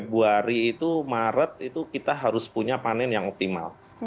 jadi hari ini maret itu kita harus punya panen yang optimal